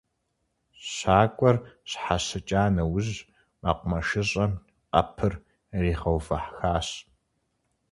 Щакӏуэр щхьэщыкӏа нэужь, мэкъумэшыщӏэм къэпыр иригъэувэхащ.